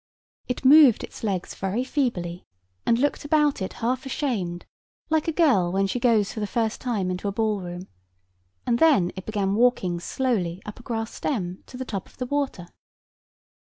It moved its legs very feebly; and looked about it half ashamed, like a girl when she goes for the first time into a ballroom; and then it began walking slowly up a grass stem to the top of the water.